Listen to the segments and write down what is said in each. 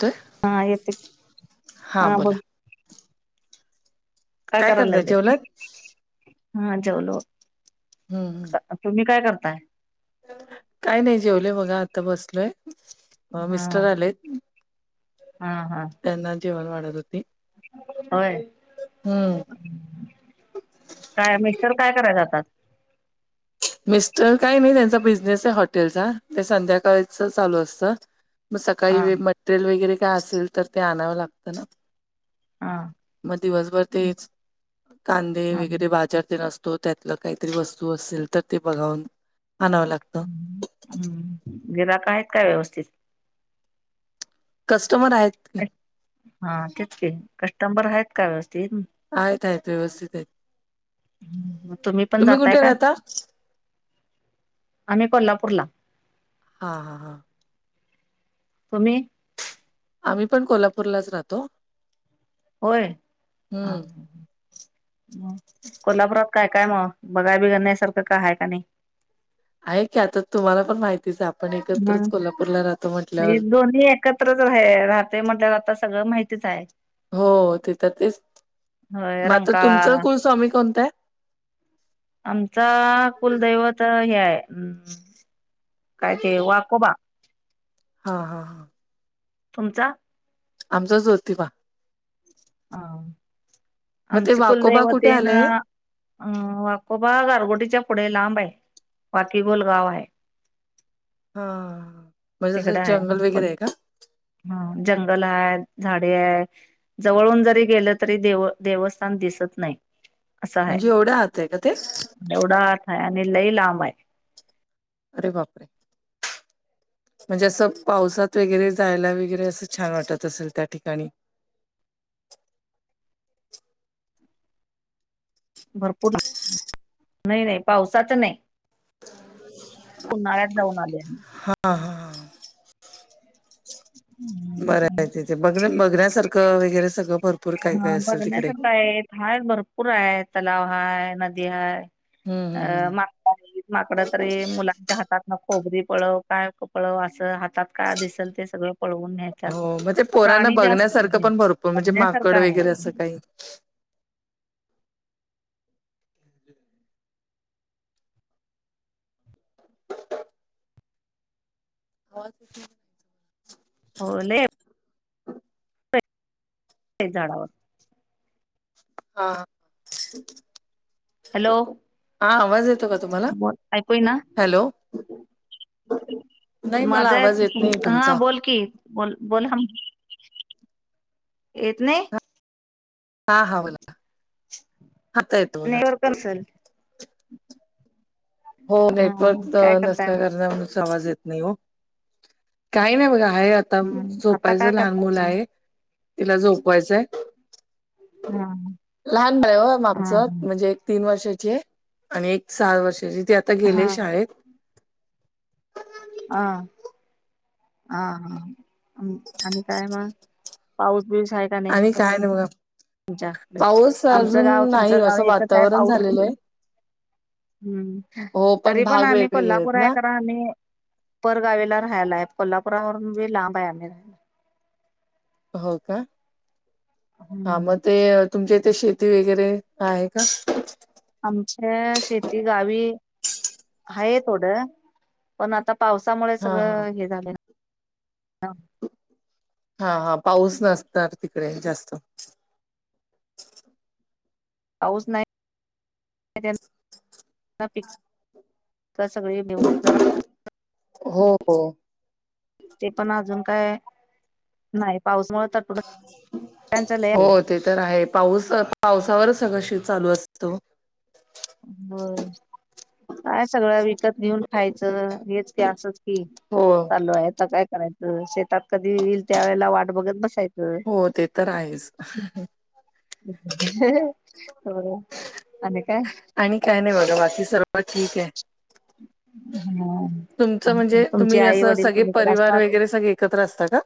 तोय हा येतो की. हा बोल. काय करायला करताय लागते? जेवलात हा जेवलो. हं हं. तुम्ही काय करताय? काय नाही जेवले बघा. आता बसलोय, अ मिस्टर आलेत. हं हं. त्यांना जेवण वाढत होती. व्हय. हम्म काय मिस्टर काय करायला जातात? मिस्टर काही नाही. त्यांचा बिझनेस आहे हॉटेलचा. ते संध्याकाळच चालू असतं. म सकाळी हा म मटरेल वगैरे काय असेल तर ते आणावं लागतं ना. हा म दिवसभर तेच. कांदे हा वगेरे बाजार तेन असत तो. त्यातलं काहीतरी वस्तू असेल तर ते बघावून आणावं लागत. हं हं. गिराक आहेत का व्यवस्थित? कस्टमर आहेत. की हा तेच की. कस्टंबर आहेत का व्यवस्थित? आहेत आहेत. व्यवस्थित आहेत. मग पण तुम्ही जाताय कुठे काय राहता? आम्ही कोल्हापूरला. हा हा हा तुम्ही आम्ही पण कोल्हापूरलाच राहतो होय हा हम्म. हा मग कोल्हापुरात काय काय मग बघाय बघण्यासारखं काय आहे काय नाही आहे की आता तुम्हाला पण माहितीच आहे आप मग दोन्ही एकत्रच आहे राहतोय म्हटल्यावर आता सगळं माहित तीच आहे हो तेथं तेच होय मग आता तुमचा रंकाळा कुलस्वामी कोणता आहे आमचा कुलदैवत हे आहे काय ते वाकोबा हा हा हा तुमचां आमचा ज्योतिबा हा मग ते आमच वाकोबा कुलदैवत कुठे तेन आले? अ वाकोबा गारगोटीच्या पुढे लांब आहे वाकीगोल गाव आहे हा हा म्हणजे तसं तिकडे आहे जंगल पण वगैरे आहे का हा जंगल आहे झाडे आहे जवळून जरी गेलं तरी देव देवस्थान दिसत नाही म्हणजे एवढं आत आहे का ते एवढ आत आहे आणि लई लांब आहे अरे बापरे म्हणजे असं पावसात वगैरे जायला वगैरे असं छान वाटत असेल त्या ठिकाणी भरपूर नाही नाही नाही पावसाच नाही उन्हाळ्यात जाऊन आलोय आम्ही हा बर आम्ही आहे तिथ बघ बघण्यासारखं वगैरे सगळं भरपूर काय हा काय असेल तिकडे. बघण्यासारखं आहे हाय भरपूर आहे तलाव हाय नदी हाय हम्म हम्म अ हम्म. मा माकड तरी मुलांच्या हातातन खोबरी पळव काय पळव असं हातात काय दिसल ते सगळं पळवून नेहतात हो मग ते प्राणी जास्त आहेत बघण्यात गड वगैरे असं काही हवा हो लय ते झाडावर हा हा हॅलो हा आवाज येतो का तुम्हाला बोल ऐकू ना हॅलो नाही मला माझं आहे आवाज येत नाही तुम- हा तुमचा बोल की बोल बोलाम येत नाही हा हा बोला आता येतोय नेटवर्क बघा नसेल हो हा नेटवर्क काय करताय नसल्या मग कारणामुळ आवाज येत नाही ओ काही नाही बघ आहे आता हम्म आता झोपायचं काय लहान करताय मुल तुम्ही आहे तिला झोपवायचंय हा लहान बाळ आहे ओ आमचं हा म्हणजे तीन वर्षाची आहे आणि एक सहा वर्षाची ती आता गेलीय हा शाळेत हा हा हा आणि काय मग पाऊस बिस आहे आणि काय नाही बघा तुमच्या पाऊस आमचं अजून गाव नाही तुमचं गाव असं एकच आहे वातावरण पाऊस झालेलं आहे हम्म हो तरी पण भाग आम्ही वेगवेगळे कोल्हापूर आहेत आहे ना खरं आम्ही परगावीला राहायला आहे कोल्हापुरावरून बी लांब आहे आम्ही राहायला हो का हा मग ते तुमच्या इथे शेती वगैरे आहे का आमच्या शेती गावी आहे थोडं पण आता पावसामुळे हां, हां. सगळं हे झालं हा हा पाऊस नसणार तिकडे जास्त, पाऊस नाही. तर सगळेे देऊन जरा हो हो ते पण अजून काय नाही पाऊसमुळे थोडे हो, ते तर आहे पाऊस पावसावर सगळं चालू असतं. होय काय सगळं विकत घेऊन खायचं हेच की असंच की हो, चालू आहे आता काय, करायचं शेतात कधी येईल, त्या वेळेला वाट बघत बसायचं. हो ते तर आहेच. हो आणि काय बार ठीक आहे ह तुमचं ह म्हणजे तुमची तुम्ही आई असं वडील सगळे कोुणीकडे परिवार असतात वगैरे सगळे एकत्र असता का?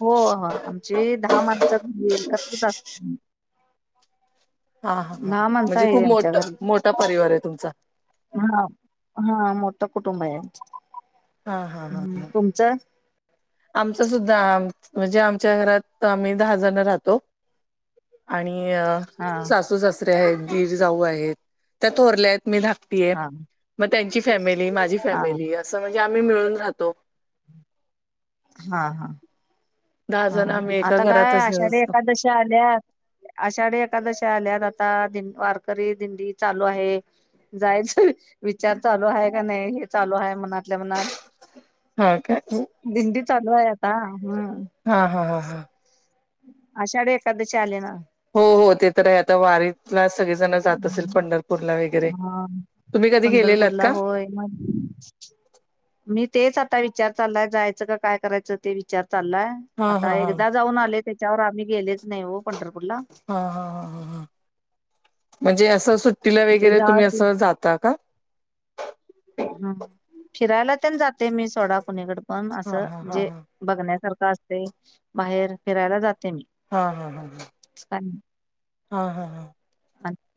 हो हो आमची दहा माणसंी एकत्रच असत हा हा हां दहा माणसं म्हणजे आहे खूप आमच्या मोठ घरी मोठा परिवार आहे तुमचा हा हा मोठं कुटुंब आहे. हा हा हा आमचं हा तुमचं आमच सुद्धा म्हणजे आमच्या घरात आम्ही दहा जण राहतो आणि हा सासू सासरे आहेत दीर जाऊ आहेत त्या थोरल्या आहेत. मी धाकटीय हा मग त्यांची फॅमिली माझी हा फॅमिली असं म्हणजे आम्ही मिळून राहतो. हा हा दहा हा जण आम्ही एका आता काय घरातच हे आषाढी असतो एकादशी आल्यात. आषाढी एकादशी आल्यात आता दिं वारकरी दिंडी चालू आहे. जायच विचार चालू आहे का नाही हे चालू आहे मनातल्या मनात हा का दिंडी चालू आहे आता हम् हा हा हा हा आषाढी एकादशी आली ना हो हो ते तर आहे आता वारीला सगळेजण जात असेल पंढरपूरला वगैरे हा तुम्ही कधी गेलेलात पंढरपूरला का होय मग मी तेच आता विचार चाललाय जायचं का काय करायचं ते विचार चाललाय, हा आता हा हा एकदा जाऊन आले त्याच्यावर आम्ही गेलेच नाही हो पंढरपूरला, हा हा म्हणजे असं सुट्टीला ते वगैरे जा तुम्ही ते असं जाता का? हम् फिरायला तेण जाते मी सोडा पुणीकड पण हा असं हा हा जे हा बघण्यासारखं असतंय, बाहेर फिरायला जाते मी, हा हा हा हा [unintelligible] हा हा हा आणि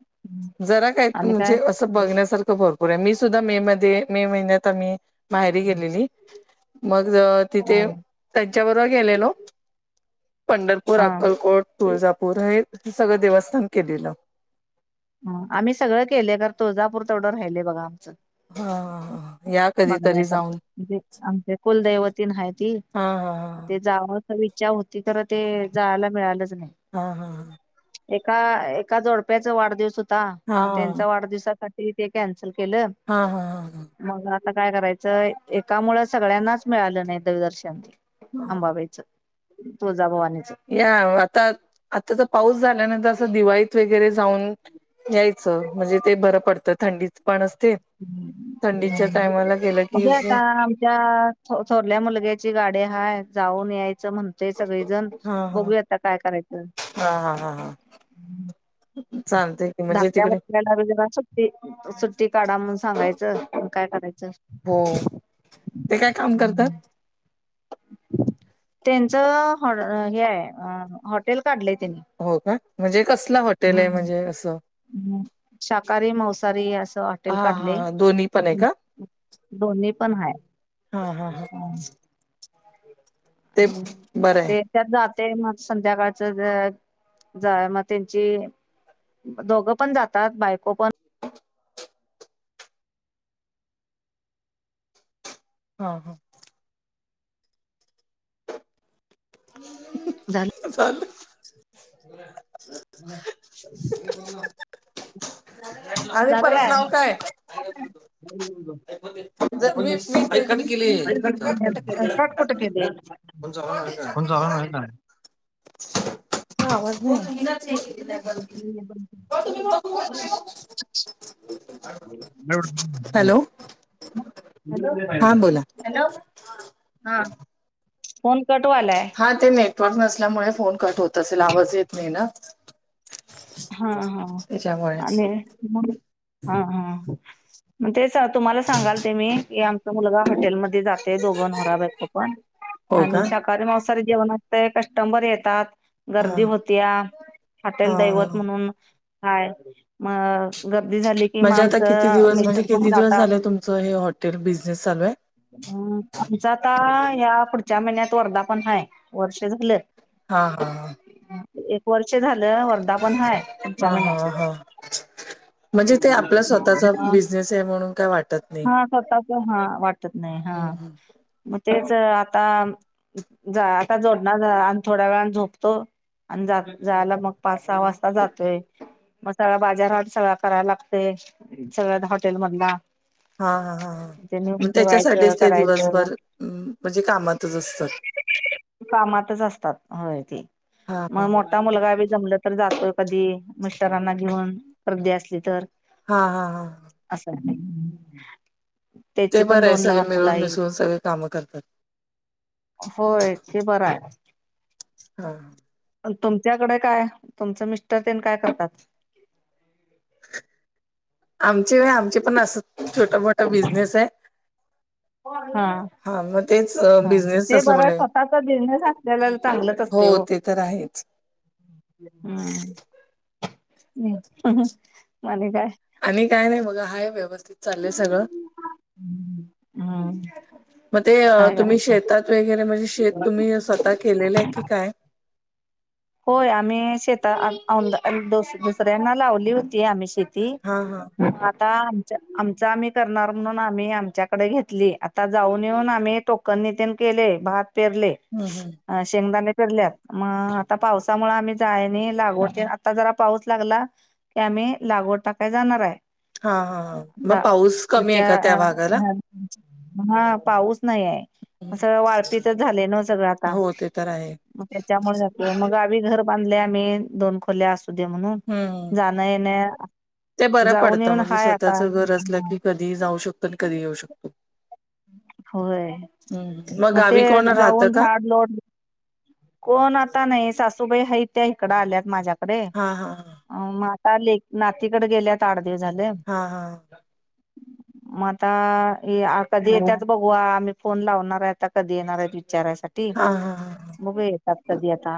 जरा काय म्हणजे असं बघण्यासारखं भरपूर आहे. मी सुद्धा मे मध्ये मे महिन्यात आम्ही माहेरी गेलेली मग हा तिथे त्यांच्याबरोबर गेलेलो, पंढरपूर, हा अक्कलकोट, तुळजापूर हे हे सगळं देवस्थान केलेलं. ह आम्ही सगळं केले तुळजापूर तेवढं राहिय बघा आमचं हा या कधीतरी बघण्यासारखं जाऊन म्हणे आमचे कुलदैवतीन आहे ती हा ते जाव इच्छा होती. खरं ते जायला मिळालच नाही. हा हा हा एका एका जोडप्याचा वाढदिवस होता, हा मग हा त्यांचा वाढदिवसासाठी तिने ते कॅन्सल केलं. हा हा हा हा मग आता काय करायचं एका मुळ सगळ्यांनाच मिळालं नाही देवदर्शन हा हा अंबाबाईचं तुळजाभवानीचं या आता आतातर पाऊस झाल्यानंतर असं दिवाळीत वगैरे जाऊन यायच म्हणजे ते बरं पडतं थंडीत पण असते. ह थंडीच्या टायमाला गेलं की बघुया आता असं. आमच्या थोडल्या मुलग्याची गाडी हाय जाऊन यायचं म्हणत ते सगळीजण हा हा बघूया आता काय करायचं हा हा हा हा श चालतय की म्हणजे धाकट्या तिकडे मुलग्याला जरा सुट्टी सुट्टी काढा म्हणून सांगायचं आणि काय करायचं? हो ते काय काम करतात? त्यांचं हेहाय हॉटेल काढलंय त्यांनी हो का म्हणजे कसंल हॉटेलय म्हणजे असं हम्म शाकाहारी मांसाहारी असं हॉटेल हा हा काढलय हा दोन्ही पण आहे का? दोन्ही पण हाय हा हा हा ते ह बरं आहे ते त्यात जाते मग संध्याकाळच मग त्यांची दोघं पण जातात बायको पण [inaudible] हा हा झालं चाल [unintelligible] [inaudible] होय हम् [unintelligible] [inaudible] अरे परस लावू काय? मी मीट गेली [unintelligible] कट [inaudible] कुठं केले? कोणच अक [unintelligible] [inaudible] ह नाही [unintelligible] [inaudible] तुम्हीघ [unintelligible] [inaudible] वॅ [unintelligible] हा बोला [inaudible] हा फोन कट व्हयलाय हा ते नेटवर्क नसल्यामुळे फोन कट होत असेल आवाज येत नाही ना? हा हा त्याच्यामुळे आणि मग हा हा मग तेच तुम्हाला सांगाल ते मी या मुलगा हॉटेल मध्ये जाते दोघं नवरा बायको पण हो आणि का शाकाहारी मांसाहारी जेवणा कस्टंबर येतात हा गर्दी होतीया हाॅटेल हा दैवत हा हं काय म गर्दी झाली कि म म्हणजे आता किती आमचं दिवस म्हणजे मिस्टर पण किती दिवस जातात झाले तुमचं हे हॉटेल बिझनेस चालू आहे? हम् आमचा आता या पुढच्या महिन्यात वर्धापन हाय वर्ष झालं. हा हा हा एक वर्ष झालं वर्धापन हाय पुढच्या हा हा महिन्यात हा हा म्हणजे ते आपला स्वतःचा ह बिझनेस आहे म्हणून काय वाटत नाही. हा स्वतःच हा वाट नाही हा हम्म हम्म. मग तेच आता जा आता जोडणार आणि थोड्या वेळानं झोपतो. आणि जायला मग पाच सहा वाजता जातय मग सगळ बाजार हट सगळ कराला लागतय सगळ्याच हॉटेल मधला हा हा ह ते नेऊन मग ठेवायचं त्याच्यासाठीच ते करायचं दिवसभर म्हणजे कामातच असतात कामातच असतात होय ते हा हा मग मोठ आता मुलगा भी जमल तर जातोय कधी मिस्टरांना घेऊन गर्दी असली तर हा हा हा. असं [unintelligible] ते त्याची पण बरं आहे दोन सगळे लहान मुलं मिळून आहेत मिसळून सगळे कामं करतात. होय ते बर आहे. हा. तुमच्याकडे काय तुमचं मिस्टर तेन काय करतात. आमचे आमचे पण असं छोट मोठा बिझनेस आहे. हा. हा मग तेच ह बिझनेस ते असलं बर म्हले स्वतःचा बिझनेस असलेल्याला चांगलच हो असते ओ. ते तर आहेच. हम्म [unintelligible] आणि काय? आणि काय नाही बघा आहे व्यवस्थित. चालले सगळं हम्म म ते अ काय तुम्ही करायचं शेतात वगैरे म्हणजे शेत तुम्ही स्वतः केलेले आहे की काय. होय आम्ही शेता आ आ आमदा दु दुसऱ्यांना लावली होती आम्ही शेत ती हां, हां. म आता आमचा आम्ही करणार म्हणून आम्ही आमच्याकडे घेतली आता जाऊन येऊन आम्ही तो कनी तेन केले भात पेरले हम्म हम्म. अ शेंगदाणे पेरल्यात मग आता पावसामुळे आम्ही जाय नाही लागवते आता जरा पाऊस लागला ते आम्ही लागवड टाकाय जाणार आहे. हा हा हा मग आता पाऊस कमी आहे पुढच्या का त्या भागाला. हा पाऊस नाही आहे. हं. सगळ वाळपीतच झाले ना सगळं आता हो, ते तर आहे. मग त्याच्यामुळ मग आम्ही घर बांधले आम्ही दोन खोल्या अस उद्या म्हणून हं. जान येन ते बरं जाऊन येऊन हाय आता [unintelligible] कधी ही जाऊ शकतो आणि कधी ही येऊ शकतो. होय हम्म मग गावी कोण राहतं का. [unintelligible] कोण आता नाही सासूबाई हाईत त्या इकडं आल्यात माझ्याकडे. हां, हां, हां. अ म आता लेक नातीकडे गेल्यात आठ दिवस झाल. हा हा हा. [unintelligible] मग आता कधी येतात बघू आम्ही फोन लावणार आहे आता कधी येणार आहेत विचारायसाठी हा हा हा हा. बघू येतात कधी आता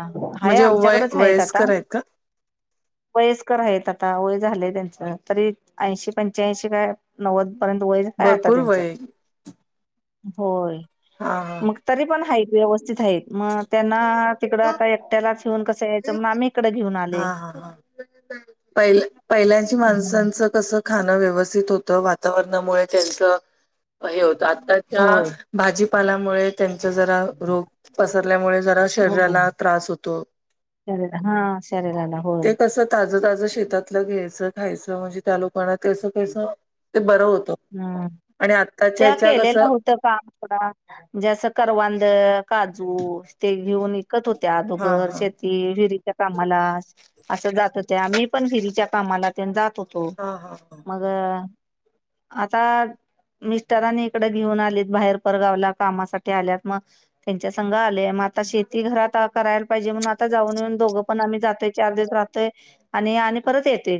हाय वय आमच्याकडेच हायेत आता. वयस्कर आहेत का? वयस्कर आहेत आता वय झालंय त्यांच तरी ऐंशी पंच्याऐंशी काय नव्वद पर्यंत वय झाय आता भरपूर त्यांच वय आहे. होय. हा हा. मग तरी पण आहेत व्यवस्थित आहेत मग त्यांना तिकडं आता एकट्यालाच घेऊन कसं यायचं म्हणून आम्ही इकडे घेऊन आले. पहिला पहिल्याची माणसांचं कस खाणं व्यवस्थित होत वातावरणामुळे त्यांचं हे होत आता त्या होय भाजीपालामुळे त्यांचा जरा रोग पसरल्यामुळे जरा शरीराला त्रास होतो. शरीरा हा शरीराला होय ते कसं ताज ताजं शेतातलं घ्यायचं खायचं म्हणजे त्या लोकांना तसं कसं ते बरं होतं. हम्म आणि आत्ताच्या त्या ह्याच्या केलेल्या कसं होतं काम जस करवांद काजू ते घेऊन इ त होत्या हा दोघर हा शेत त विरीच्या कामाला असं जात होते आम्ही पण विरीच्या कामाला जात होतो हो हा हा मग आता मिस्टरांनी इकडे घेऊन आलीत बाहेर परगावला कामासाठी आल्यात मग त्यांच्या संघ आलेय मग आता शेती घरात करायला पाहिजे म्हणून आता जाऊन येऊन दोघं पण आम्ही जातोय चार दिवस राहतय आणि आणि परत येते